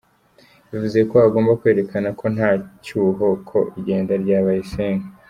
Bivuze ko agomba kwerekana ko nta cyuho ku igenda rya Bayisenge.